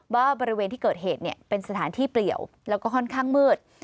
ว่าบริเวณที่เกิดเหตุเป็นสถานที่เปลี่ยวแล้วก็ค่อนข้างมืด